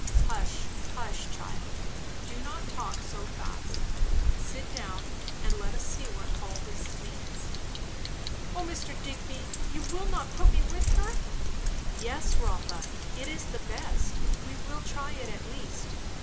"Hush, hush, child! do not talk so fast. Sit down, and let us see what all this means." "O Mr. Digby, you will not put me with her?" "Yes, Rotha, it is the best. We will try it, at least.